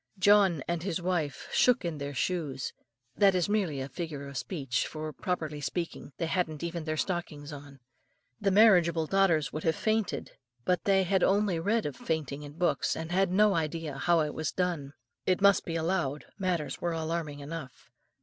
John and his wife shook in their shoes. That is merely a figure of speech; for, properly speaking, they hadn't even their stockings on. The marriageable daughters would have fainted, but they had only read of fainting in books, and had no idea how it was done. It must be allowed matters were alarming enough.